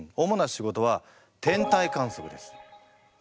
主な仕事は天体観測です。